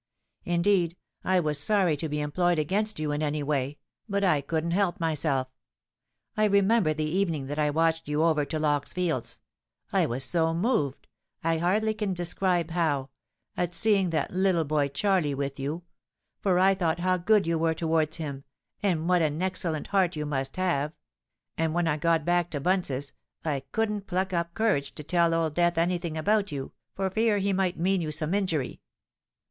Indeed, I was sorry to be employed against you in any way: but I couldn't help myself. I remember the evening that I watched you over to Lock's Fields:—I was so moved—I hardly can describe how—at seeing that little boy Charley with you; for I thought how good you were towards him, and what an excellent heart you must have,—and when I got back to Bunce's, I couldn't pluck up courage to tell Old Death any thing about you, for fear he might mean you some injury.